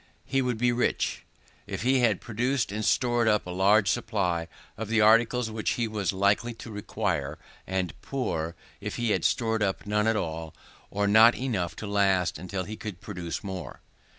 He would be rich, if he had produced and stored up a large supply of the articles which he was likely to require; and poor, if he had stored up none at all, or not enough to last until he could produce more.